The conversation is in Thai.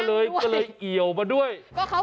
แบบนี้คือแบบนี้คือแบบนี้คือ